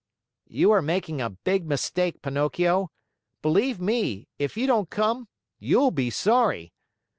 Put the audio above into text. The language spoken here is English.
"You are making a big mistake, Pinocchio. Believe me, if you don't come, you'll be sorry.